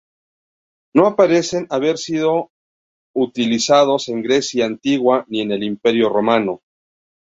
No parecen haber sido utilizados en Grecia antigua ni en el imperio romano.